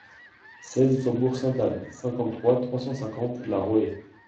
seize faubourg Sainte-Anne, cinquante-trois, trois cent cinquante, La Roë